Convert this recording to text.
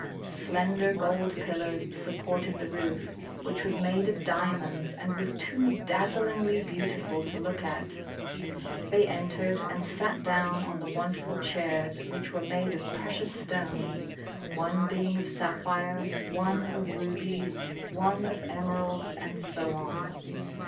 Slen der gold pillars supported the roof, which was made of diamonds, and was too dazzlingly beauti ful to look at. They entered and sat down on the wonderful chairs, which were made of precious stones, one being of sapphire, one of rubies, one of emeralds, and so on.